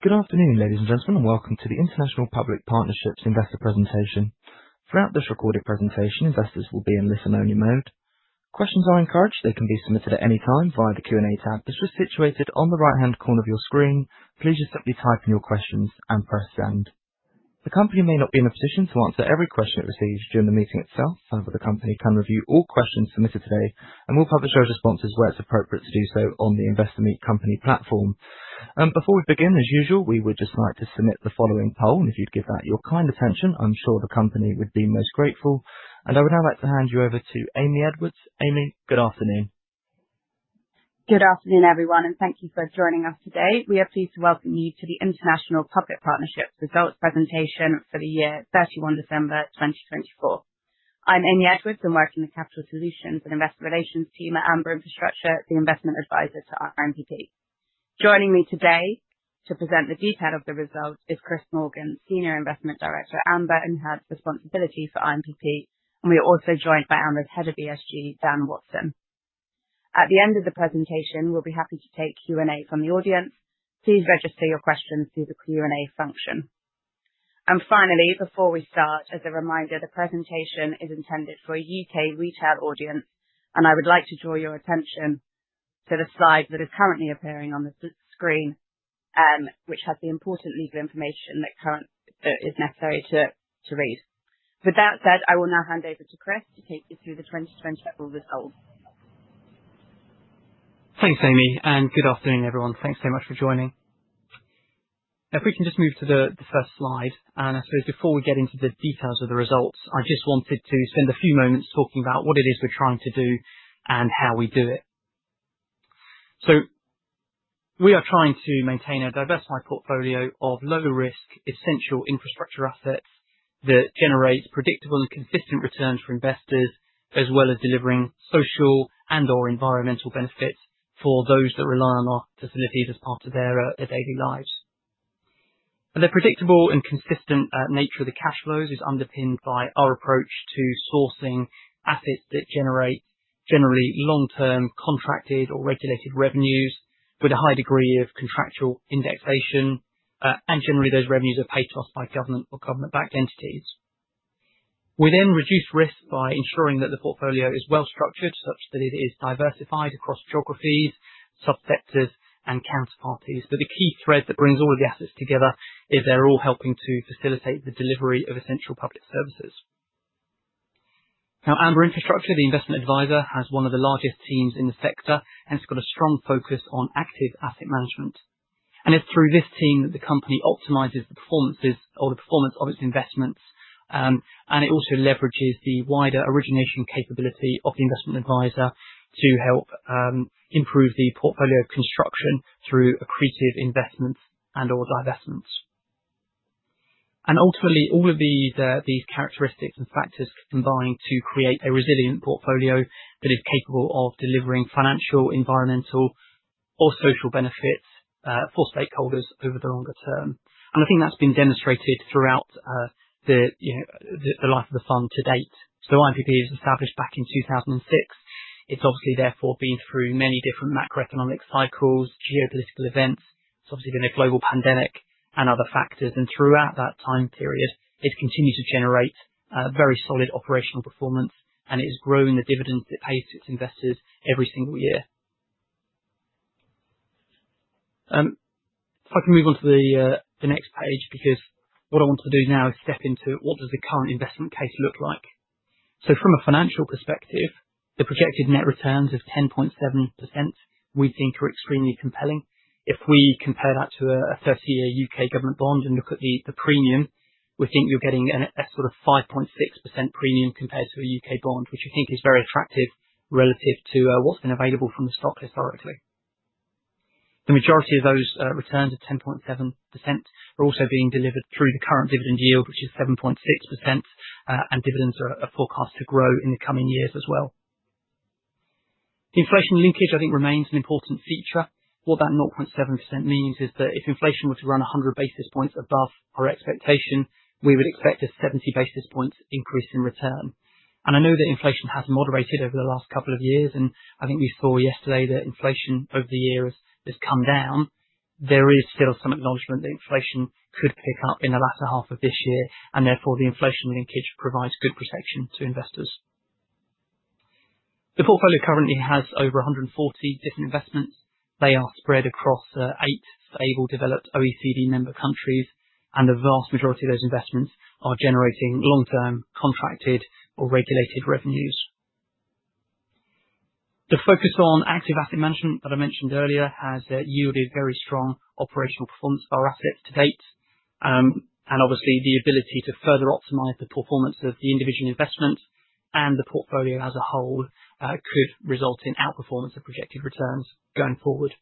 Good afternoon, ladies and gentlemen, and welcome to the International Public Partnerships Investor Presentation. Throughout this recorded presentation, investors will be in listen-only mode. Questions are encouraged; they can be submitted at any time via the Q&A tab. This is situated on the right-hand corner of your screen. Please just simply type in your questions and press send. The company may not be in a position to answer every question it receives during the meeting itself. However, the company can review all questions submitted today and will publish our responses where it is appropriate to do so on the Investor Meet Company platform. Before we begin, as usual, we would just like to submit the following poll, and if you would give that your kind attention, I am sure the company would be most grateful. I would now like to hand you over to Amy Edwards. Amy, good afternoon. Good afternoon, everyone, and thank you for joining us today. We are pleased to welcome you to the International Public Partnerships Results Presentation for the year 31 December 2024. I'm Amy Edwards and work in the Capital Solutions and Investor Relations team at Amber Infrastructure, the investment advisor to INPP. Joining me today to present the detail of the results is Chris Morgan, Senior Investment Director at Amber and has responsibility for INPP, and we are also joined by Amber's Head of ESG, Dan Watson. At the end of the presentation, we'll be happy to take Q&A from the audience. Please register your questions through the Q&A function. Finally, before we start, as a reminder, the presentation is intended for a U.K. retail audience, and I would like to draw your attention to the slide that is currently appearing on the screen, which has the important legal information that is necessary to read. With that said, I will now hand over to Chris to take you through the 2024 results. Thanks, Amy, and good afternoon, everyone. Thanks so much for joining. If we can just move to the first slide, I suppose before we get into the details of the results, I just wanted to spend a few moments talking about what it is we're trying to do and how we do it. We are trying to maintain a diversified portfolio of low-risk, essential infrastructure assets that generate predictable and consistent returns for investors, as well as delivering social and/or environmental benefits for those that rely on our facilities as part of their daily lives. The predictable and consistent nature of the cash flows is underpinned by our approach to sourcing assets that generate generally long-term contracted or regulated revenues with a high degree of contractual indexation, and generally those revenues are paid to us by government or government-backed entities. We then reduce risk by ensuring that the portfolio is well-structured, such that it is diversified across geographies, sub-sectors, and counterparties. The key thread that brings all of the assets together is they're all helping to facilitate the delivery of essential public services. Now, Amber Infrastructure, the investment advisor, has one of the largest teams in the sector and has got a strong focus on active asset management. It is through this team that the company optimizes the performance of its investments, and it also leverages the wider origination capability of the investment advisor to help improve the portfolio construction through accretive investments and/or divestments. Ultimately, all of these characteristics and factors combine to create a resilient portfolio that is capable of delivering financial, environmental, or social benefits for stakeholders over the longer term. I think that's been demonstrated throughout the life of the fund to date. INPP was established back in 2006. It's obviously therefore been through many different macroeconomic cycles, geopolitical events, it's obviously been a global pandemic, and other factors. Throughout that time period, it's continued to generate very solid operational performance, and it is growing the dividends it pays to its investors every single year. If I can move on to the next page, because what I want to do now is step into what does the current investment case look like. From a financial perspective, the projected net returns of 10.7% we think are extremely compelling. If we compare that to a 30-year U.K. government bond and look at the premium, we think you're getting a sort of 5.6% premium compared to a U.K. bond, which I think is very attractive relative to what's been available from the stock historically. The majority of those returns of 10.7% are also being delivered through the current dividend yield, which is 7.6%, and dividends are forecast to grow in the coming years as well. The inflation linkage, I think, remains an important feature. What that 0.7% means is that if inflation were to run 100 basis points above our expectation, we would expect a 70 basis points increase in return. I know that inflation has moderated over the last couple of years, and I think we saw yesterday that inflation over the years has come down. There is still some acknowledgment that inflation could pick up in the latter half of this year, and therefore the inflation linkage provides good protection to investors. The portfolio currently has over 140 different investments. They are spread across eight stable developed OECD member countries, and the vast majority of those investments are generating long-term contracted or regulated revenues. The focus on active asset management that I mentioned earlier has yielded very strong operational performance of our assets to date. Obviously, the ability to further optimize the performance of the individual investment and the portfolio as a whole could result in outperformance of projected returns going forward.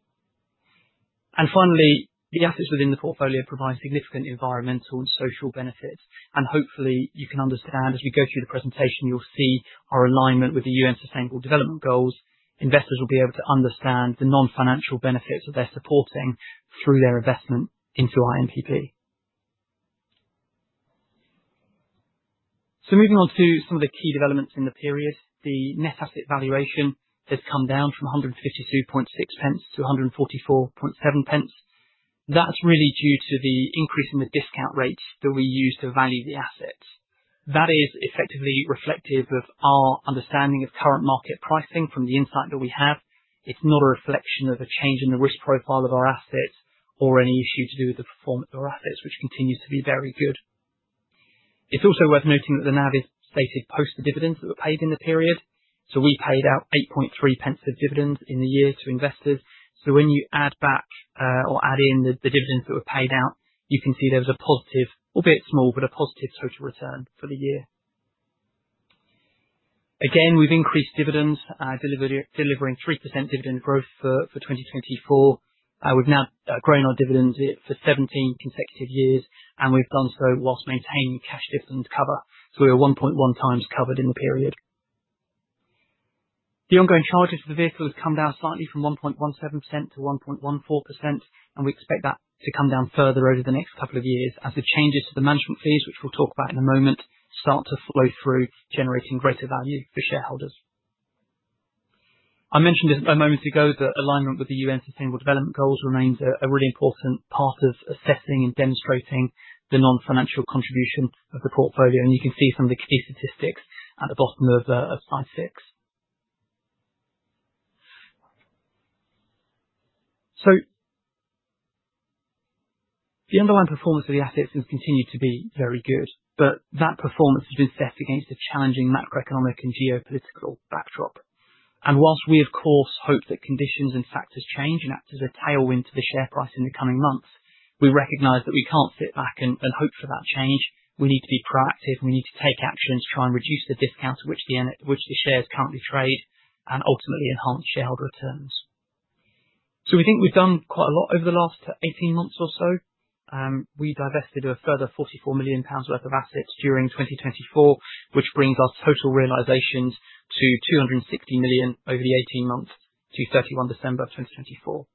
Finally, the assets within the portfolio provide significant environmental and social benefits. Hopefully, you can understand as we go through the presentation, you'll see our alignment with the UN Sustainable Development Goals. Investors will be able to understand the non-financial benefits that they're supporting through their investment into INPP. Moving on to some of the key developments in the period, the net asset valuation has come down from 1.526 to 1.447. That's really due to the increase in the discount rates that we use to value the assets. That is effectively reflective of our understanding of current market pricing from the insight that we have. It's not a reflection of a change in the risk profile of our assets or any issue to do with the performance of our assets, which continues to be very good. It's also worth noting that the NAV is stated post the dividends that were paid in the period. We paid out 0.083 of dividends in the year to investors. When you add back or add in the dividends that were paid out, you can see there was a positive, albeit small, but a positive total return for the year. Again, we've increased dividends, delivering 3% dividend growth for 2024. We've now grown our dividends for 17 consecutive years, and we've done so whilst maintaining cash dividend cover. We were 1.1 times covered in the period. The ongoing charges for the vehicles have come down slightly from 1.17% to 1.14%, and we expect that to come down further over the next couple of years as the changes to the management fees, which we'll talk about in a moment, start to flow through, generating greater value for shareholders. I mentioned a moment ago that alignment with the UN Sustainable Development Goals remains a really important part of assessing and demonstrating the non-financial contribution of the portfolio, and you can see some of the key statistics at the bottom of slide six. The underlying performance of the assets has continued to be very good, but that performance has been set against a challenging macroeconomic and geopolitical backdrop. Whilst we, of course, hope that conditions and factors change and act as a tailwind to the share price in the coming months, we recognize that we cannot sit back and hope for that change. We need to be proactive, and we need to take action to try and reduce the discount to which the shares currently trade and ultimately enhance shareholder returns. We think we have done quite a lot over the last 18 months or so. We divested a further 44 million pounds worth of assets during 2024, which brings our total realizations to 260 million over the 18 months to 31 December 2024.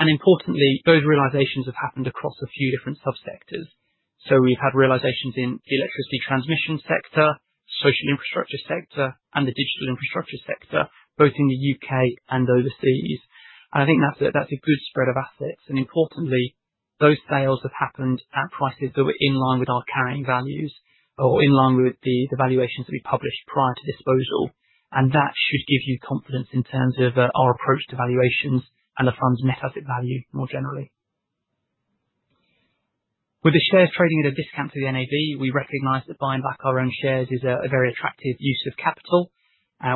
Importantly, those realizations have happened across a few different sub-sectors. We have had realizations in the electricity transmission sector, social infrastructure sector, and the digital infrastructure sector, both in the U.K. and overseas. I think that is a good spread of assets. Importantly, those sales have happened at prices that were in line with our carrying values or in line with the valuations that we published prior to disposal. That should give you confidence in terms of our approach to valuations and the fund's net asset value more generally. With the shares trading at a discount to the NAV, we recognize that buying back our own shares is a very attractive use of capital.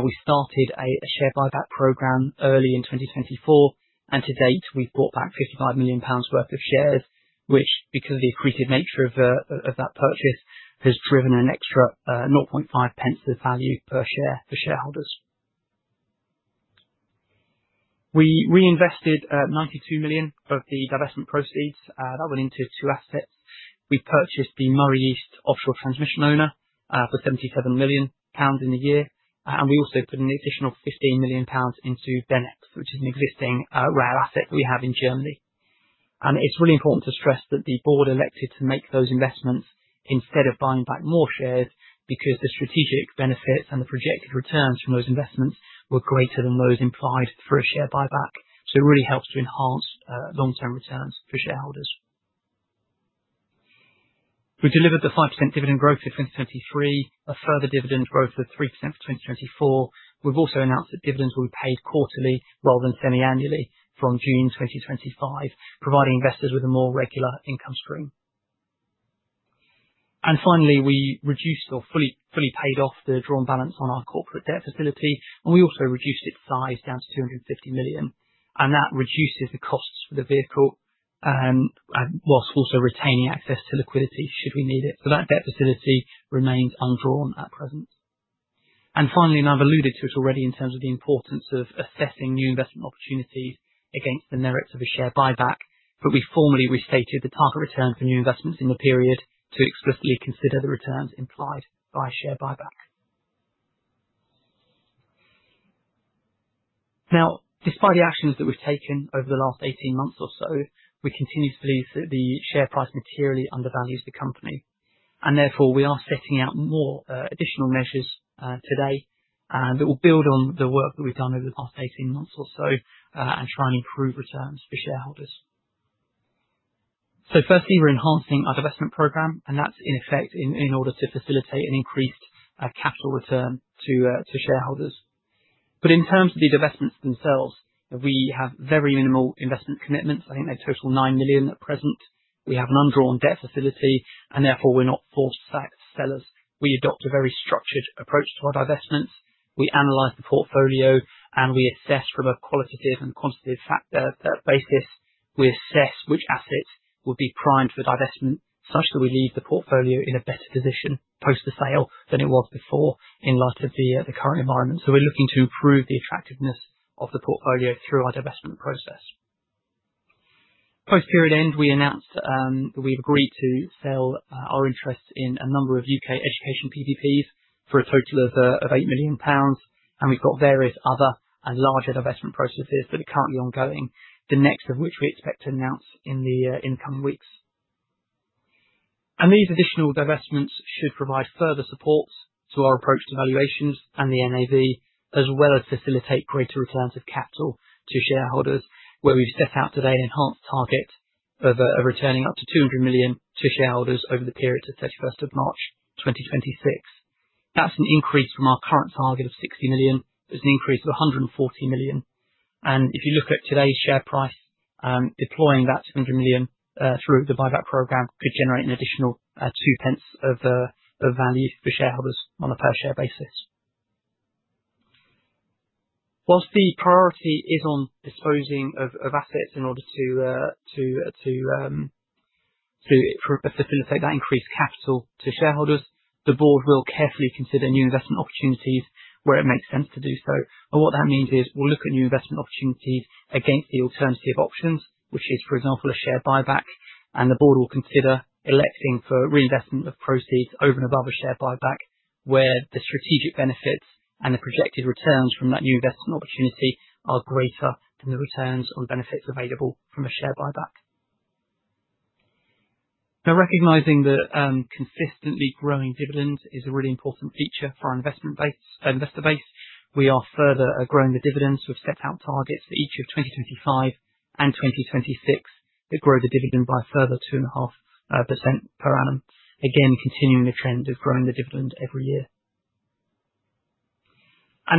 We started a share buyback programme early in 2024, and to date, we have bought back 55 million pounds worth of shares, which, because of the accretive nature of that purchase, has driven an extra 0.5 pence of value per share for shareholders. We reinvested 92 million of the divestment proceeds. That went into two assets. We purchased the Moray East OFTO for 77 million pounds in a year, and we also put an additional 15 million pounds into BeNEX, which is an existing rail asset that we have in Germany. It is really important to stress that the board elected to make those investments instead of buying back more shares because the strategic benefits and the projected returns from those investments were greater than those implied for a share buyback. It really helps to enhance long-term returns for shareholders. We delivered the 5% dividend growth for 2023, a further dividend growth of 3% for 2024. We have also announced that dividends will be paid quarterly rather than semi-annually from June 2025, providing investors with a more regular income stream. Finally, we reduced or fully paid off the drawn balance on our corporate debt facility, and we also reduced its size down to 250 million. That reduces the costs for the vehicle whilst also retaining access to liquidity should we need it. That debt facility remains undrawn at present. Finally, I have alluded to it already in terms of the importance of assessing new investment opportunities against the merits of a share buyback, but we formally restated the target return for new investments in the period to explicitly consider the returns implied by a share buyback. Now, despite the actions that we have taken over the last 18 months or so, we continue to believe that the share price materially undervalues the company. Therefore, we are setting out more additional measures today that will build on the work that we have done over the past 18 months or so and try and improve returns for shareholders. Firstly, we're enhancing our divestment program, and that's in effect in order to facilitate an increased capital return to shareholders. In terms of the divestments themselves, we have very minimal investment commitments. I think they total 9 million at present. We have an undrawn debt facility, and therefore we're not forced sellers. We adopt a very structured approach to our divestments. We analyze the portfolio, and we assess from a qualitative and quantitative basis. We assess which assets would be primed for divestment such that we leave the portfolio in a better position post the sale than it was before in light of the current environment. We're looking to improve the attractiveness of the portfolio through our divestment process. Post period end, we announced that we've agreed to sell our interests in a number of U.K. education PPPs for a total of 8 million pounds, and we've got various other and larger divestment processes that are currently ongoing, the next of which we expect to announce in the coming weeks. These additional divestments should provide further support to our approach to valuations and the NAV, as well as facilitate greater returns of capital to shareholders, where we've set out today an enhanced target of returning up to 200 million to shareholders over the period to 31 March 2026. That's an increase from our current target of 60 million. It's an increase of 140 million. If you look at today's share price, deploying that 200 million through the buyback program could generate an additional 0.02 of value for shareholders on a per-share basis. Whilst the priority is on disposing of assets in order to facilitate that increased capital to shareholders, the board will carefully consider new investment opportunities where it makes sense to do so. What that means is we'll look at new investment opportunities against the alternative options, which is, for example, a share buyback, and the board will consider electing for reinvestment of proceeds over and above a share buyback where the strategic benefits and the projected returns from that new investment opportunity are greater than the returns on benefits available from a share buyback. Now, recognizing that consistently growing dividends is a really important feature for our investment investor base, we are further growing the dividends. We've set out targets for each of 2025 and 2026 that grow the dividend by a further 2.5% per annum, again, continuing the trend of growing the dividend every year.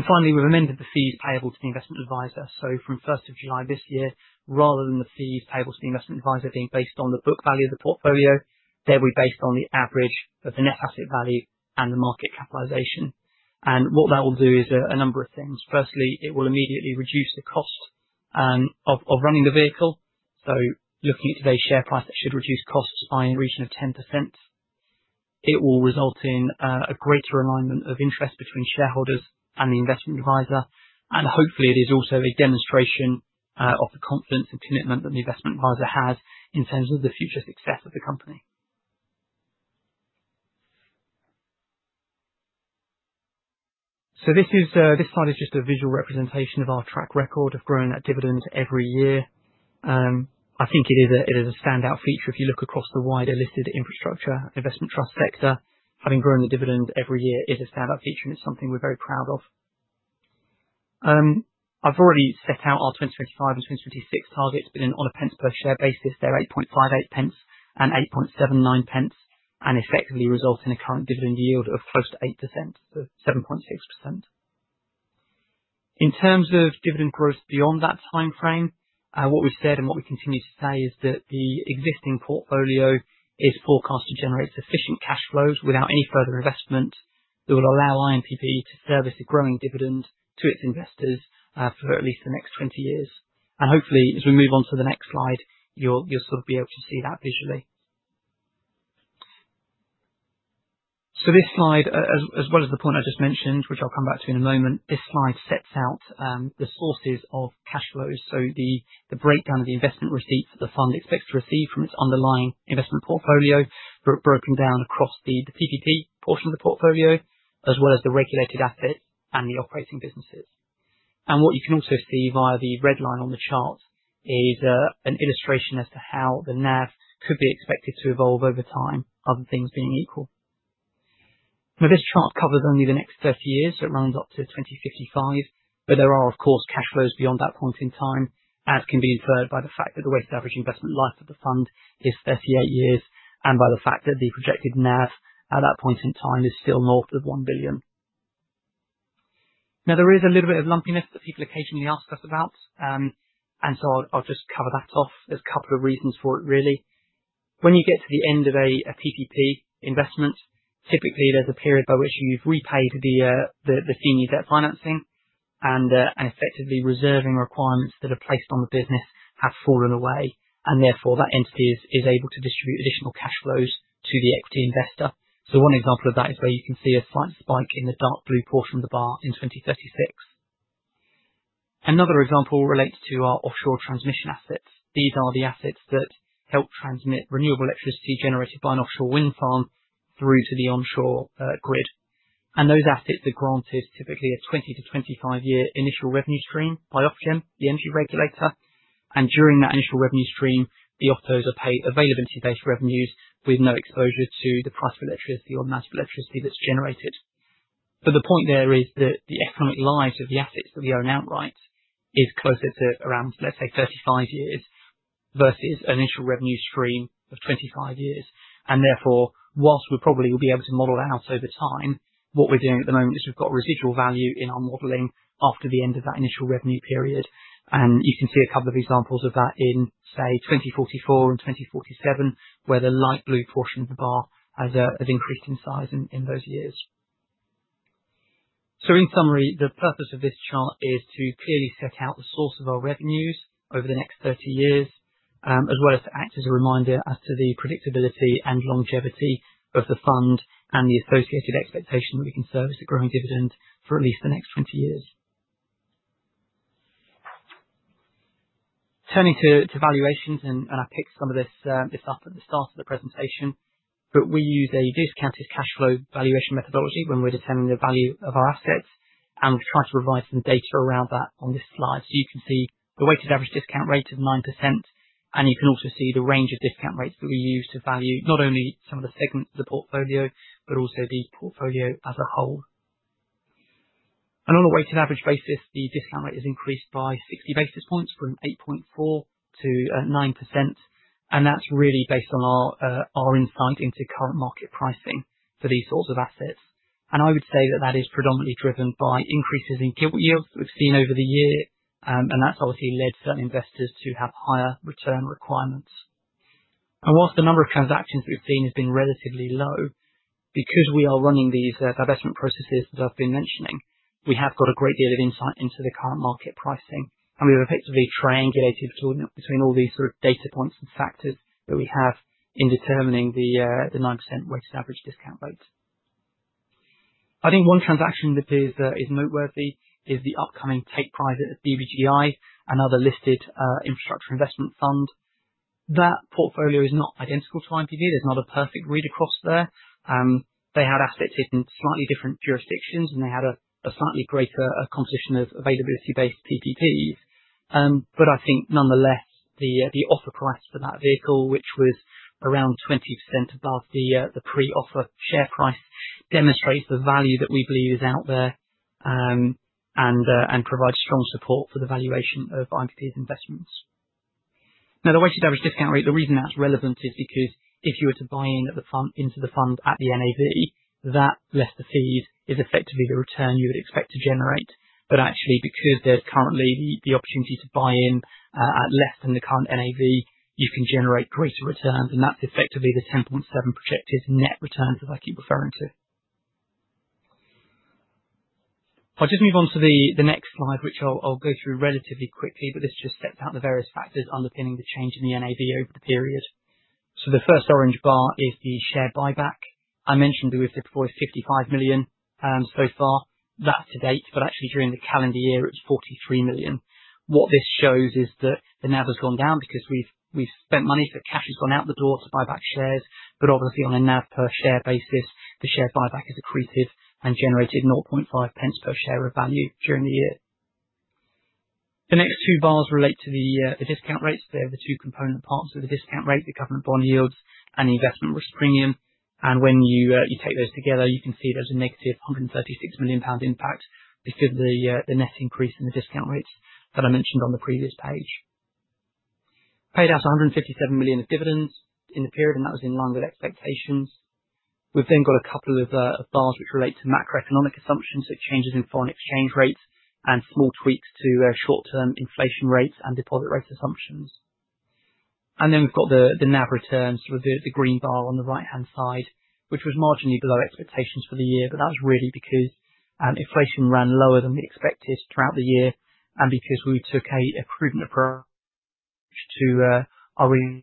Finally, we've amended the fees payable to the investment advisor. From July 1 this year, rather than the fees payable to the investment advisor being based on the book value of the portfolio, they'll be based on the average of the net asset value and the market capitalization. What that will do is a number of things. Firstly, it will immediately reduce the cost of running the vehicle. Looking at today's share price, that should reduce costs by a region of 10%. It will result in a greater alignment of interest between shareholders and the investment advisor. Hopefully, it is also a demonstration of the confidence and commitment that the investment advisor has in terms of the future success of the company. This slide is just a visual representation of our track record of growing that dividend every year. I think it is a standout feature if you look across the wider listed infrastructure investment trust sector. Having grown the dividend every year is a standout feature, and it's something we're very proud of. I've already set out our 2025 and 2026 targets, but on a pence per share basis, they're GBP 0.0858 and 0.0879, and effectively result in a current dividend yield of close to 8%, so 7.6%. In terms of dividend growth beyond that timeframe, what we've said and what we continue to say is that the existing portfolio is forecast to generate sufficient cash flows without any further investment that will allow INPP to service a growing dividend to its investors for at least the next 20 years. Hopefully, as we move on to the next slide, you'll sort of be able to see that visually. This slide, as well as the point I just mentioned, which I'll come back to in a moment, sets out the sources of cash flows. The breakdown of the investment receipts that the fund expects to receive from its underlying investment portfolio is broken down across the PPP portion of the portfolio, as well as the regulated assets and the operating businesses. What you can also see via the red line on the chart is an illustration as to how the NAV could be expected to evolve over time other than things being equal. Now, this chart covers only the next 30 years, so it runs up to 2055, but there are, of course, cash flows beyond that point in time, as can be inferred by the fact that the weighted average investment life of the fund is 38 years and by the fact that the projected NAV at that point in time is still north of 1 billion. Now, there is a little bit of lumpiness that people occasionally ask us about, and I’ll just cover that off. There’s a couple of reasons for it, really. When you get to the end of a PPP investment, typically there’s a period by which you’ve repaid the senior debt financing, and effectively reserving requirements that are placed on the business have fallen away, and therefore that entity is able to distribute additional cash flows to the equity investor. One example of that is where you can see a slight spike in the dark blue portion of the bar in 2036. Another example relates to our offshore transmission assets. These are the assets that help transmit renewable electricity generated by an offshore wind farm through to the onshore grid. Those assets are granted typically a 20-25 year initial revenue stream by Ofgem, the energy regulator. During that initial revenue stream, the OFTOs are paid availability-based revenues with no exposure to the price of electricity or the amount of electricity that's generated. The point there is that the economic lives of the assets that we own outright is closer to around, let's say, 35 years versus an initial revenue stream of 25 years. Therefore, whilst we probably will be able to model it out over time, what we're doing at the moment is we've got residual value in our modeling after the end of that initial revenue period. You can see a couple of examples of that in, say, 2044 and 2047, where the light blue portion of the bar has increased in size in those years. In summary, the purpose of this chart is to clearly set out the source of our revenues over the next 30 years, as well as to act as a reminder as to the predictability and longevity of the fund and the associated expectation that we can service the growing dividend for at least the next 20 years. Turning to valuations, and I picked some of this up at the start of the presentation, but we use a discounted cash flow valuation methodology when we're determining the value of our assets, and we've tried to provide some data around that on this slide. You can see the weighted average discount rate of 9%, and you can also see the range of discount rates that we use to value not only some of the segments of the portfolio, but also the portfolio as a whole. On a weighted average basis, the discount rate has increased by 60 basis points from 8.4% to 9%. That's really based on our insight into current market pricing for these sorts of assets. I would say that that is predominantly driven by increases in gilt yields that we've seen over the year, and that's obviously led certain investors to have higher return requirements. Whilst the number of transactions that we've seen has been relatively low, because we are running these divestment processes that I've been mentioning, we have got a great deal of insight into the current market pricing, and we've effectively triangulated between all these sort of data points and factors that we have in determining the 9% weighted average discount rate. I think one transaction that is noteworthy is the upcoming take private of BBGI, another listed infrastructure investment fund. That portfolio is not identical to INPP. There's not a perfect read across there. They had assets in slightly different jurisdictions, and they had a slightly greater composition of availability-based PPPs. I think nonetheless, the offer price for that vehicle, which was around 20% above the pre-offer share price, demonstrates the value that we believe is out there and provides strong support for the valuation of INPP's investments. Now, the weighted average discount rate, the reason that's relevant is because if you were to buy into the fund at the NAV, that less the fees is effectively the return you would expect to generate. Actually, because there's currently the opportunity to buy in at less than the current NAV, you can generate greater returns, and that's effectively the 10.7% projected net returns that I keep referring to. I'll just move on to the next slide, which I'll go through relatively quickly, but this just sets out the various factors underpinning the change in the NAV over the period. The first orange bar is the share buyback. I mentioned that we've deployed 55 million so far. That's to date, but actually during the calendar year, it was 43 million. What this shows is that the NAV has gone down because we've spent money, so cash has gone out the door to buy back shares, but obviously on a NAV per share basis, the share buyback has accreted and generated 0.50 per share of value during the year. The next two bars relate to the discount rates. They're the two component parts of the discount rate, the government bond yields and the investment risk premium. When you take those together, you can see there's a negative 136 million pound impact because of the net increase in the discount rates that I mentioned on the previous page. Paid out 157 million of dividends in the period, and that was in line with expectations. We've then got a couple of bars which relate to macroeconomic assumptions, so changes in foreign exchange rates and small tweaks to short-term inflation rates and deposit rate assumptions. We've got the NAV returns, sort of the green bar on the right-hand side, which was marginally below expectations for the year, but that was really because inflation ran lower than we expected throughout the year and because we took a prudent approach to our revenue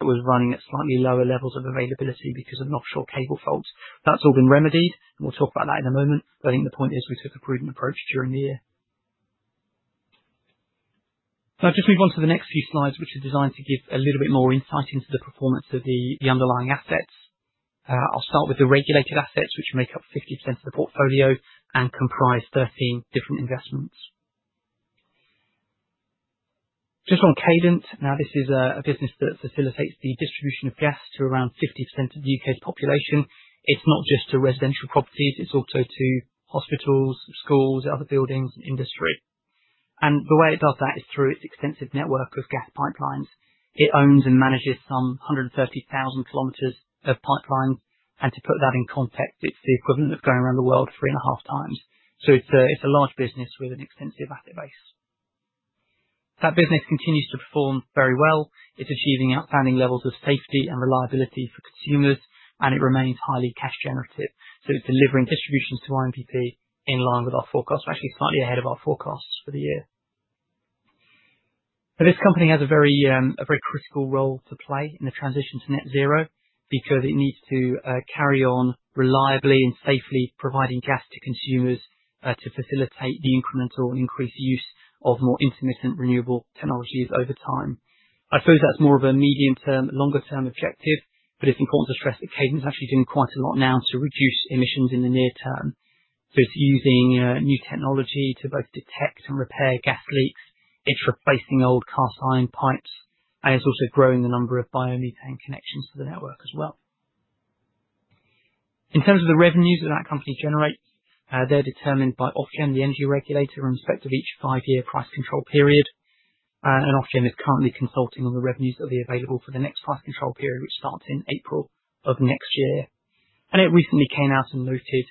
that was running at slightly lower levels of availability because of an offshore cable fault. That's all been remedied, and we'll talk about that in a moment. I think the point is we took a prudent approach during the year. Now, I'll just move on to the next few slides, which are designed to give a little bit more insight into the performance of the underlying assets. I'll start with the regulated assets, which make up 50% of the portfolio and comprise 13 different investments. Just on Cadent, now this is a business that facilitates the distribution of gas to around 50% of the U.K.'s population. It's not just to residential properties, it's also to hospitals, schools, other buildings, and industry. The way it does that is through its extensive network of gas pipelines. It owns and manages some 130,000 km of pipelines, and to put that in context, it's the equivalent of going around the world three and a half times. It is a large business with an extensive asset base. That business continues to perform very well. It's achieving outstanding levels of safety and reliability for consumers, and it remains highly cash generative. It's delivering distributions to INPP in line with our forecast, or actually slightly ahead of our forecasts for the year. Now, this company has a very critical role to play in the transition to net zero because it needs to carry on reliably and safely providing gas to consumers to facilitate the incremental and increased use of more intermittent renewable technologies over time. I suppose that's more of a medium-term, longer-term objective, but it's important to stress that Cadent is actually doing quite a lot now to reduce emissions in the near term. It's using new technology to both detect and repair gas leaks, it's replacing old cast iron pipes, and it's also growing the number of biomethane connections to the network as well. In terms of the revenues that that company generates, they're determined by Ofgem, the energy regulator, in respect of each five-year price control period. Ofgem is currently consulting on the revenues that will be available for the next price control period, which starts in April of next year. It recently came out and noted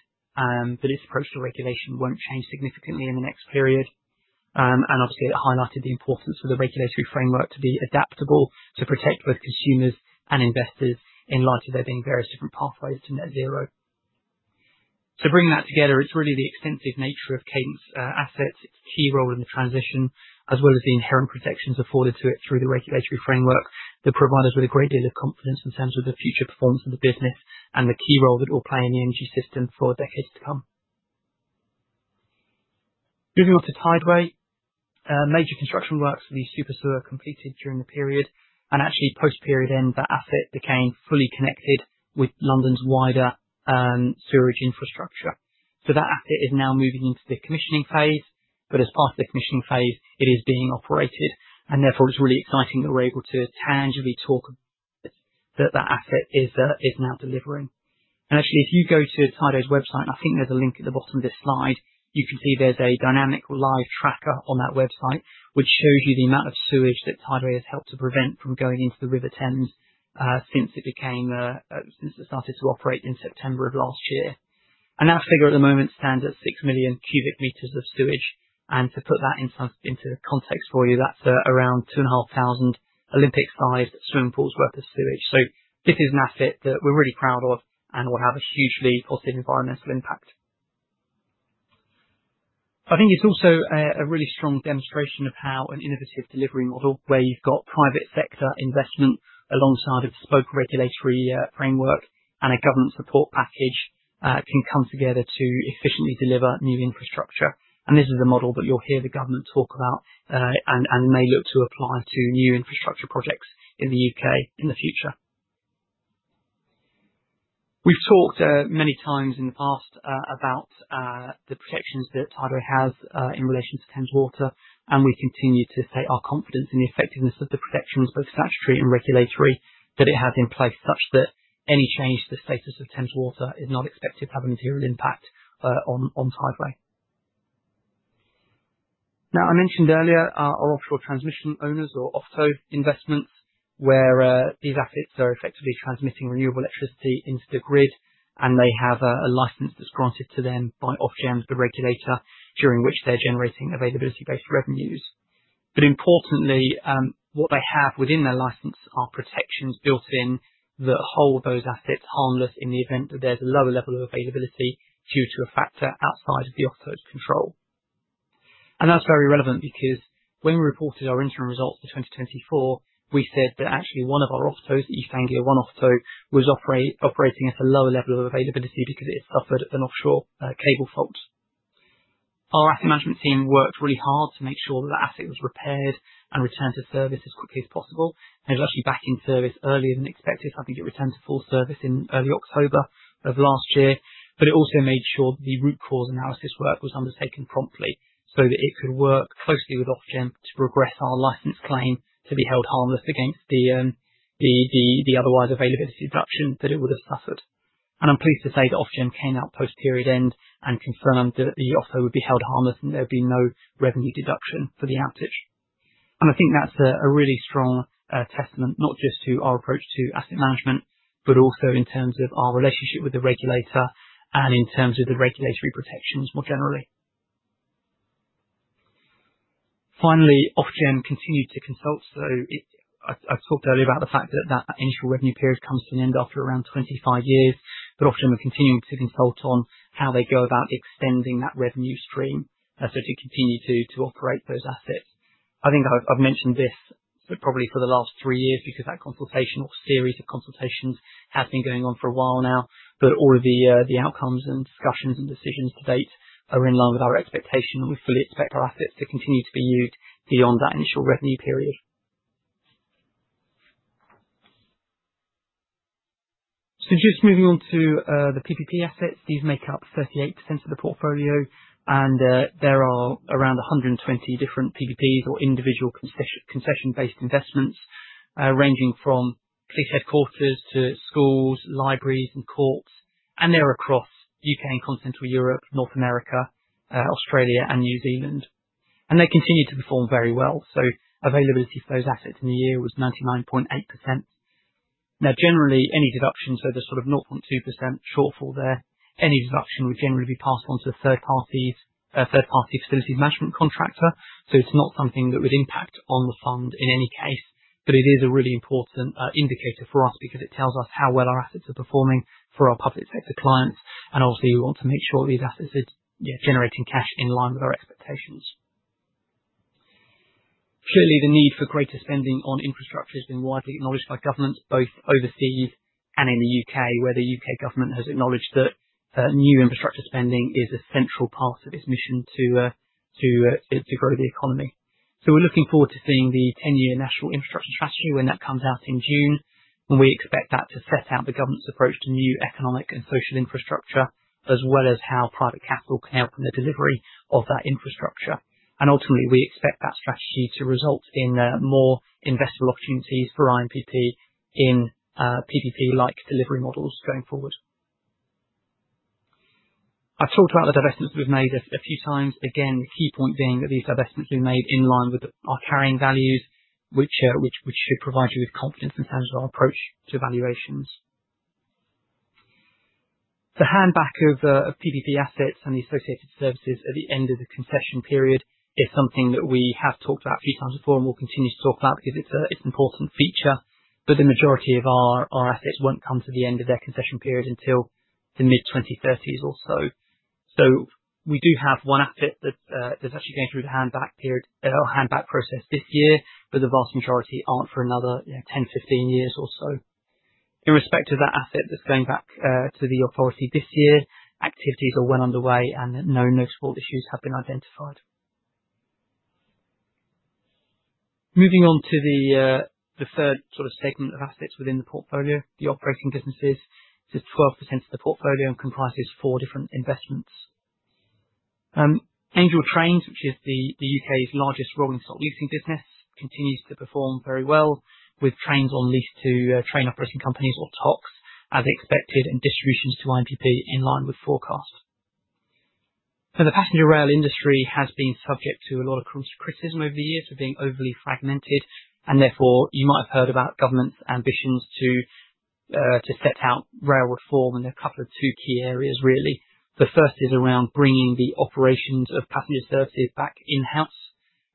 that its approach to regulation will not change significantly in the next period. It highlighted the importance for the regulatory framework to be adaptable to protect both consumers and investors in light of there being various different pathways to net zero. Bringing that together, it is really the extensive nature of Cadent's assets, its key role in the transition, as well as the inherent protections afforded to it through the regulatory framework that provide us with a great deal of confidence in terms of the future performance of the business and the key role that it will play in the energy system for decades to come. Moving on to Tideway, major construction works for the super sewer completed during the period, and actually post-period end, that asset became fully connected with London's wider sewerage infrastructure. That asset is now moving into the commissioning phase, but as part of the commissioning phase, it is being operated, and therefore it's really exciting that we're able to tangibly talk about that that asset is now delivering. Actually, if you go to Tideway's website, and I think there's a link at the bottom of this slide, you can see there's a dynamic live tracker on that website, which shows you the amount of sewage that Tideway has helped to prevent from going into the River Thames since it became a, since it started to operate in September of last year. That figure at the moment stands at 6 million cubic meters of sewage. To put that into context for you, that's around 2,500 Olympic-sized swimming pools worth of sewage. This is an asset that we're really proud of and will have a hugely positive environmental impact. I think it's also a really strong demonstration of how an innovative delivery model where you've got private sector investment alongside a bespoke regulatory framework and a government support package can come together to efficiently deliver new infrastructure. This is a model that you'll hear the government talk about and may look to apply to new infrastructure projects in the U.K. in the future. We've talked many times in the past about the protections that Tideway has in relation to Thames Water, and we continue to state our confidence in the effectiveness of the protections, both statutory and regulatory, that it has in place such that any change to the status of Thames Water is not expected to have a material impact on Tideway. I mentioned earlier our offshore transmission owners or OFTO investments where these assets are effectively transmitting renewable electricity into the grid, and they have a license that's granted to them by Ofgem, the regulator, during which they're generating availability-based revenues. Importantly, what they have within their license are protections built in that hold those assets harmless in the event that there's a lower level of availability due to a factor outside of the OFTO's control. That is very relevant because when we reported our interim results for 2024, we said that actually one of our OFTOs, the East Anglia One OFTO, was operating at a lower level of availability because it had suffered an offshore cable fault. Our asset management team worked really hard to make sure that that asset was repaired and returned to service as quickly as possible. It was actually back in service earlier than expected, so I think it returned to full service in early October of last year. It also made sure that the root cause analysis work was undertaken promptly so that it could work closely with Ofgem to progress our license claim to be held harmless against the otherwise availability reduction that it would have suffered. I'm pleased to say that Ofgem came out post-period end and confirmed that the OFTO would be held harmless and there would be no revenue deduction for the outage. I think that's a really strong testament not just to our approach to asset management, but also in terms of our relationship with the regulator and in terms of the regulatory protections more generally. Finally, Ofgem continued to consult. I talked earlier about the fact that that initial revenue period comes to an end after around 25 years, but Ofgem are continuing to consult on how they go about extending that revenue stream to continue to operate those assets. I think I've mentioned this probably for the last three years because that consultation or series of consultations has been going on for a while now, but all of the outcomes and discussions and decisions to date are in line with our expectation, and we fully expect our assets to continue to be used beyond that initial revenue period. Just moving on to the PPP assets, these make up 38% of the portfolio, and there are around 120 different PPPs or individual concession-based investments ranging from police headquarters to schools, libraries, and courts, and they're across the U.K. and continental Europe, North America, Australia, and New Zealand. They continue to perform very well. Availability for those assets in the year was 99.8%. Generally, any deductions, so the sort of 0.2% shortfall there, any deduction would generally be passed on to a third-party facilities management contractor. It is not something that would impact on the fund in any case, but it is a really important indicator for us because it tells us how well our assets are performing for our public sector clients. Obviously, we want to make sure these assets are generating cash in line with our expectations. Surely, the need for greater spending on infrastructure has been widely acknowledged by governments, both overseas and in the U.K., where the U.K. government has acknowledged that new infrastructure spending is a central part of its mission to grow the economy. We are looking forward to seeing the 10-year National Infrastructure Strategy when that comes out in June, and we expect that to set out the government's approach to new economic and social infrastructure, as well as how private capital can help in the delivery of that infrastructure. Ultimately, we expect that strategy to result in more investable opportunities for INPP in PPP-like delivery models going forward. I've talked about the divestments we've made a few times. Again, the key point being that these divestments have been made in line with our carrying values, which should provide you with confidence in terms of our approach to valuations. The handback of PPP assets and the associated services at the end of the concession period is something that we have talked about a few times before and will continue to talk about because it's an important feature. The majority of our assets won't come to the end of their concession period until the mid-2030s or so. We do have one asset that's actually going through the handback period or handback process this year, but the vast majority aren't for another 10-15 years or so. In respect of that asset that's going back to the authority this year, activities are well underway and no notable issues have been identified. Moving on to the third sort of segment of assets within the portfolio, the operating businesses, it's 12% of the portfolio and comprises four different investments. Angel Trains, which is the U.K.'s largest rolling stock leasing business, continues to perform very well with trains on lease to train operating companies or TOCs, as expected, and distributions to INPP in line with forecast. Now, the passenger rail industry has been subject to a lot of criticism over the years for being overly fragmented, and therefore you might have heard about government's ambitions to set out rail reform in a couple of two key areas, really. The first is around bringing the operations of passenger services back in-house,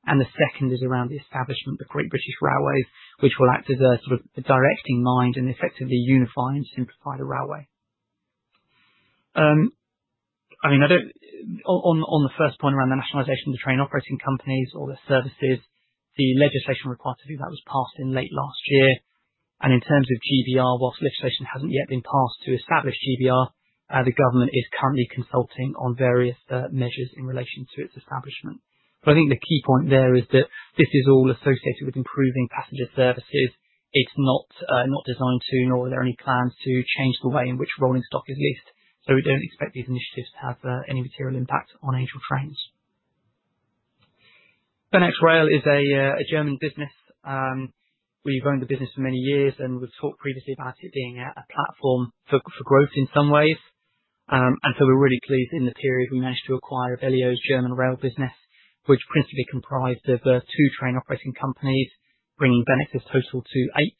and the second is around the establishment of Great British Railways, which will act as a sort of directing mind and effectively unify and simplify the railway. I mean, on the first point around the nationalisation of the train operating companies or the services, the legislation required to do that was passed in late last year. In terms of GBR, whilst legislation hasn't yet been passed to establish GBR, the government is currently consulting on various measures in relation to its establishment. I think the key point there is that this is all associated with improving passenger services. It's not designed to, nor are there any plans to change the way in which rolling stock is leased. We don't expect these initiatives to have any material impact on Angel Trains. BeNEX Rail is a German business. We've owned the business for many years, and we've talked previously about it being a platform for growth in some ways. We're really pleased in the period we managed to acquire Abellio's German rail business, which principally comprised of two train operating companies, bringing BeNEX's total to eight.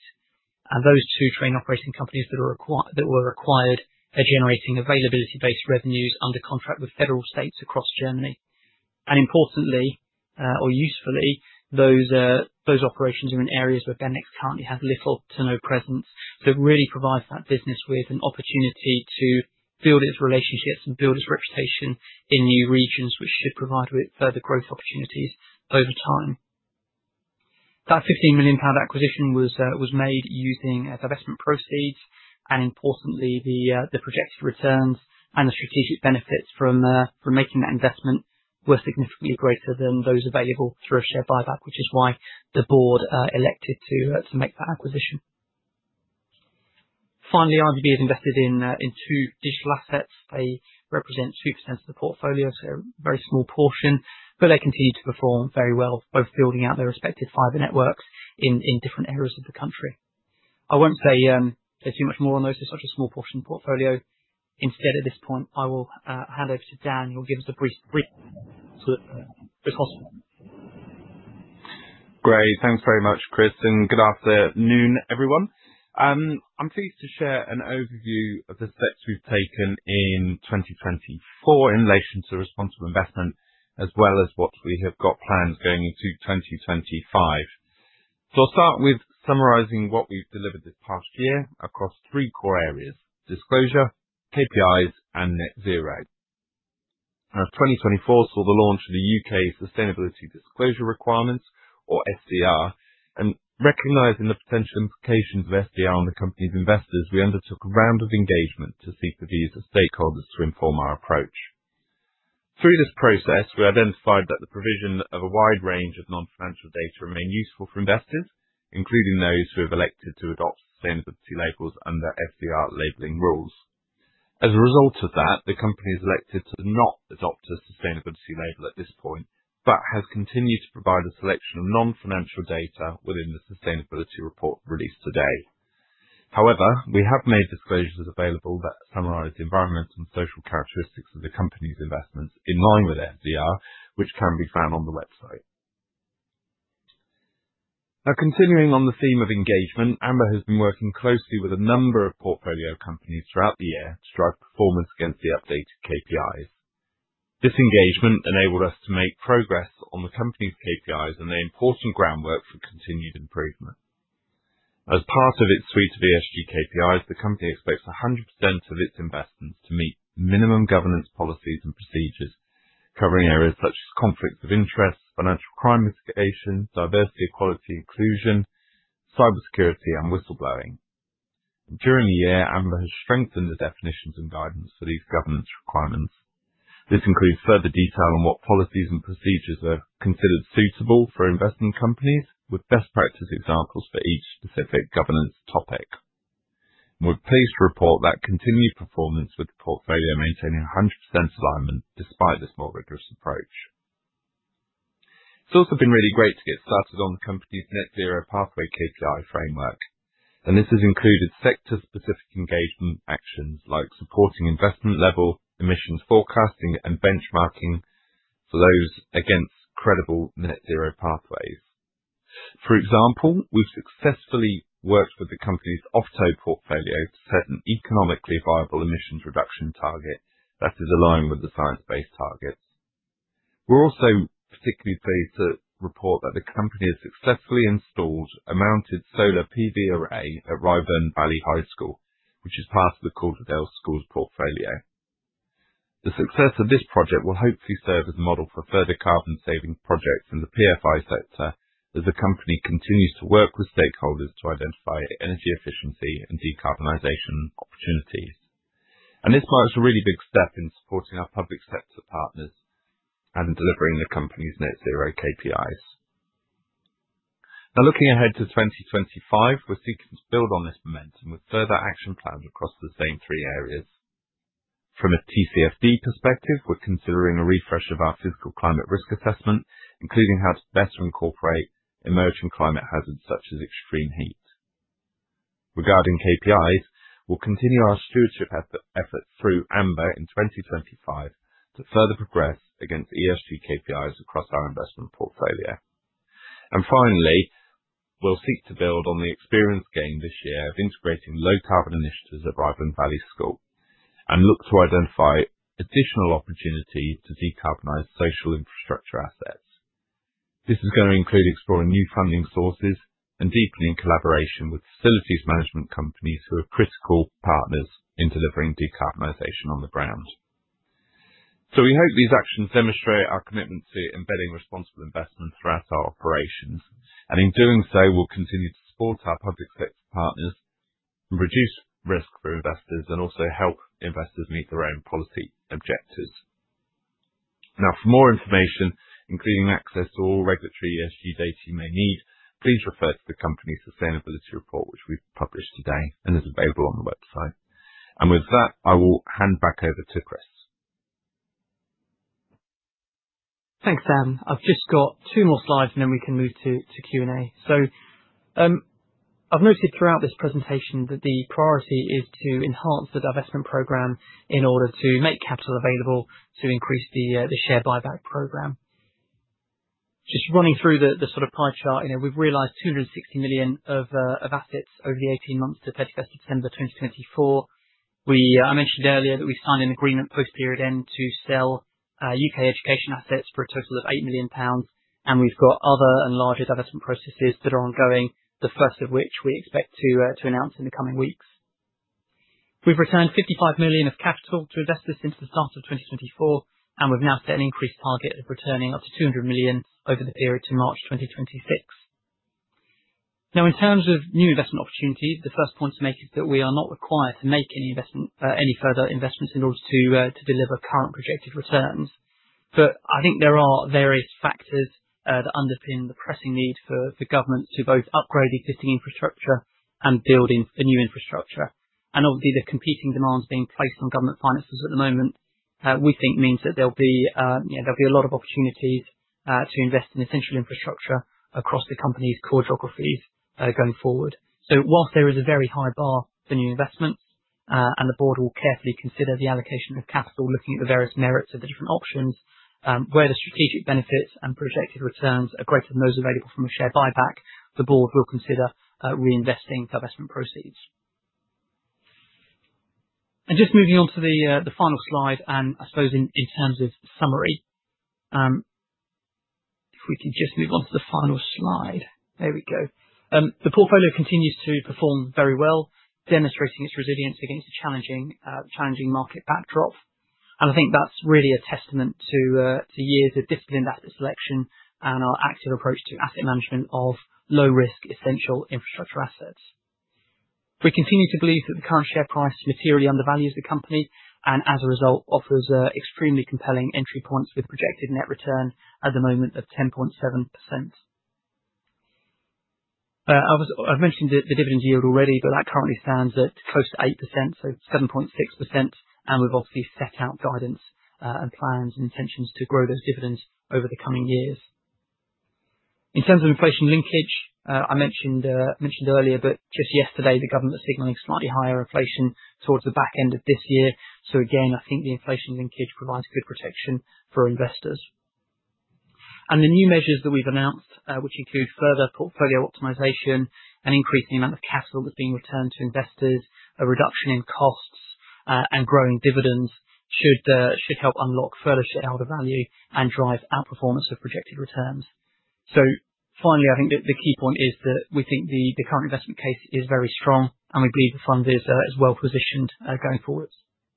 Those two train operating companies that were acquired are generating availability-based revenues under contract with federal states across Germany. Importantly, or usefully, those operations are in areas where BeNEX currently has little to no presence. It really provides that business with an opportunity to build its relationships and build its reputation in new regions, which should provide further growth opportunities over time. That 15 million pound acquisition was made using divestment proceeds, and importantly, the projected returns and the strategic benefits from making that investment were significantly greater than those available through a share buyback, which is why the board elected to make that acquisition. Finally, INPP has invested in two digital assets. They represent 2% of the portfolio, so a very small portion, but they continue to perform very well, both building out their respective fiber networks in different areas of the country. I will not say too much more on those. They are such a small portion of the portfolio. Instead, at this point, I will hand over to Dan, who will give us a brief. Great. Thanks very much, Chris, and good afternoon, everyone. I'm pleased to share an overview of the steps we've taken in 2024 in relation to responsible investment, as well as what we have got planned going into 2025. I'll start with summarizing what we've delivered this past year across three core areas: disclosure, KPIs, and net zero. Now, 2024 saw the launch of the U.K. Sustainability Disclosure Requirements, or SDR. Recognizing the potential implications of SDR on the company's investors, we undertook a round of engagement to seek the views of stakeholders to inform our approach. Through this process, we identified that the provision of a wide range of non-financial data remained useful for investors, including those who have elected to adopt sustainability labels under SDR labeling rules. As a result of that, the company has elected to not adopt a sustainability label at this point, but has continued to provide a selection of non-financial data within the sustainability report released today. However, we have made disclosures available that summarise the environmental and social characteristics of the company's investments in line with SDR, which can be found on the website. Now, continuing on the theme of engagement, Amber has been working closely with a number of portfolio companies throughout the year to drive performance against the updated KPIs. This engagement enabled us to make progress on the company's KPIs and lay important groundwork for continued improvement. As part of its suite of ESG KPIs, the company expects 100% of its investments to meet minimum governance policies and procedures, covering areas such as conflicts of interest, financial crime mitigation, diversity, equality, inclusion, cybersecurity, and whistleblowing. During the year, Amber has strengthened the definitions and guidance for these governance requirements. This includes further detail on what policies and procedures are considered suitable for investing companies, with best practice examples for each specific governance topic. We're pleased to report that continued performance with the portfolio maintaining 100% alignment despite this more rigorous approach. It's also been really great to get started on the company's net zero pathway KPI framework, and this has included sector-specific engagement actions like supporting investment level emissions forecasting and benchmarking for those against credible net zero pathways. For example, we've successfully worked with the company's OFTO portfolio to set an economically viable emissions reduction target that is aligned with the science-based targets. We're also particularly pleased to report that the company has successfully installed a mounted solar PV array at Ryburn Valley High School, which is part of the Calderdale Schools portfolio. The success of this project will hopefully serve as a model for further carbon-saving projects in the PFI sector as the company continues to work with stakeholders to identify energy efficiency and decarbonisation opportunities. This marks a really big step in supporting our public sector partners and in delivering the company's net zero KPIs. Now, looking ahead to 2025, we're seeking to build on this momentum with further action plans across the same three areas. From a TCFD perspective, we're considering a refresh of our fiscal climate risk assessment, including how to best incorporate emerging climate hazards such as extreme heat. Regarding KPIs, we'll continue our stewardship efforts through Amber in 2025 to further progress against ESG KPIs across our investment portfolio. Finally, we'll seek to build on the experience gained this year of integrating low carbon initiatives at Ryburn Valley High School and look to identify additional opportunities to decarbonise social infrastructure assets. This is going to include exploring new funding sources and deepening collaboration with facilities management companies who are critical partners in delivering decarbonisation on the ground. We hope these actions demonstrate our commitment to embedding responsible investment throughout our operations. In doing so, we'll continue to support our public sector partners and reduce risk for investors and also help investors meet their own policy objectives. For more information, including access to all regulatory ESG data you may need, please refer to the company's sustainability report, which we've published today and is available on the website. With that, I will hand back over to Chris. Thanks, Dan. I've just got two more slides, and then we can move to Q&A. I've noticed throughout this presentation that the priority is to enhance the divestment programme in order to make capital available to increase the share buyback programme. Just running through the sort of pie chart, we've realized 260 million of assets over the 18 months to 31st of December 2024. I mentioned earlier that we signed an agreement post-period end to sell U.K. education assets for a total of 8 million pounds, and we've got other and larger divestment processes that are ongoing, the first of which we expect to announce in the coming weeks. We've returned 55 million of capital to investors since the start of 2024, and we've now set an increased target of returning up to 200 million over the period to March 2026. Now, in terms of new investment opportunities, the first point to make is that we are not required to make any further investments in order to deliver current projected returns. I think there are various factors that underpin the pressing need for governments to both upgrade existing infrastructure and build new infrastructure. Obviously, the competing demands being placed on government finances at the moment, we think, means that there will be a lot of opportunities to invest in essential infrastructure across the company's core geographies going forward. Whilst there is a very high bar for new investments, and the board will carefully consider the allocation of capital, looking at the various merits of the different options, where the strategic benefits and projected returns are greater than those available from a share buyback, the board will consider reinvesting divestment proceeds. Just moving on to the final slide, and I suppose in terms of summary, if we can just move on to the final slide. There we go. The portfolio continues to perform very well, demonstrating its resilience against a challenging market backdrop. I think that's really a testament to years of disciplined asset selection and our active approach to asset management of low-risk essential infrastructure assets. We continue to believe that the current share price materially undervalues the company and, as a result, offers extremely compelling entry points with projected net return at the moment of 10.7%. I've mentioned the dividend yield already, but that currently stands at close to 8%, so 7.6%, and we've obviously set out guidance and plans and intentions to grow those dividends over the coming years. In terms of inflation linkage, I mentioned earlier, but just yesterday, the government was signalling slightly higher inflation towards the back end of this year. I think the inflation linkage provides good protection for investors. The new measures that we've announced, which include further portfolio optimisation and increasing the amount of capital that's being returned to investors, a reduction in costs, and growing dividends should help unlock further shareholder value and drive outperformance of projected returns. Finally, I think the key point is that we think the current investment case is very strong, and we believe the fund is well positioned going forward.